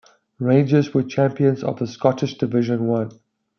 Rangers were champions of the Scottish Division One.